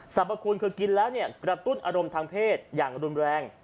พคุณคือกินแล้วเนี่ยกระตุ้นอารมณ์ทางเพศอย่างรุนแรง